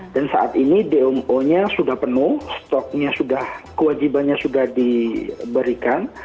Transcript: dan saat ini dmo nya sudah penuh stoknya sudah kewajibannya sudah diberikan